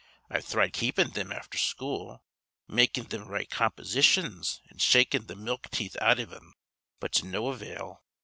I've thried keepin' thim afther school, makin' thim write compositions an' shakin' th' milk teeth out iv thim, but to no avail.